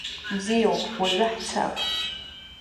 Бзиоуп, уажәы ҳцап.